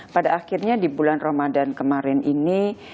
pada akhirnya di bulan ramadan kemarin ini